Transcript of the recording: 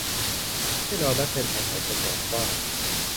แน่นอนนักเดินทางหลายคนบอกว่า